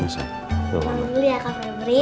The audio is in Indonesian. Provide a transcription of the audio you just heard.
salam dulu ya kak febri